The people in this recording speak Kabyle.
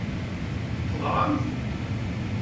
Teɣramt.